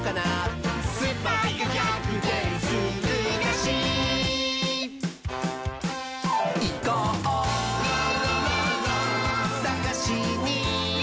「スパイがぎゃくてんするらしい」「いこうさがしに！」